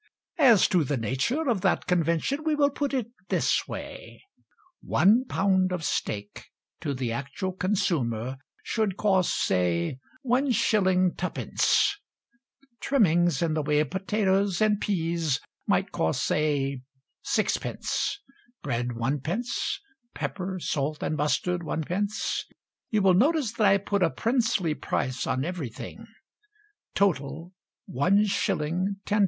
As to the nature of that convention We will put it this way: One pound of steak To the actual consumer Should cost, say, 1s. 2d. Trimmings In the way of potatoes and peas might cost, say, 6d., Bread, 1d., Pepper, salt, and mustard, 1d. (You will notice that I put a princely price on everything), Total, 1s. 10d.